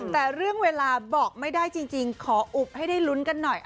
แต่เรื่องเวลาบอกไม่ได้จริงขออุบให้ได้ลุ้นกันหน่อย